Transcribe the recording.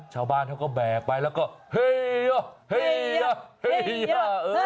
ชาวบ้านเขาก็แบกไปแล้วก็เฮีย